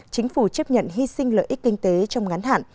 chính phủ chấp nhận hy sinh lợi ích kinh tế trong ngắn hạn